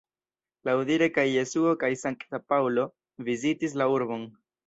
Laŭdire kaj Jesuo kaj Sankta Paŭlo vizitis la urbon.